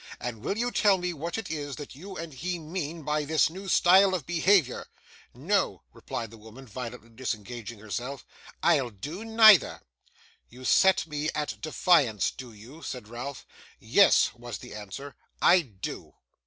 And will you tell me what it is that you and he mean by this new style of behaviour?' 'No,' replied the woman, violently disengaging herself, 'I'll do neither.' 'You set me at defiance, do you?' said Ralph. 'Yes,' was the answer. I do.